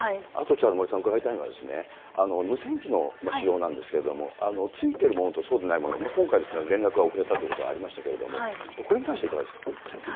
あと森さん、伺いたいのはですね、無線機の使用なんですけれども、付いてるものとそうでないもの、今回、連絡が遅れたということがありましたけれども、これに関していかがですか。